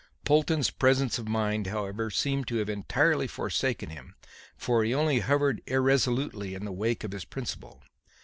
Polton's presence of mind, however, seemed to have entirely forsaken him, for he only hovered irresolutely in the wake of his principal.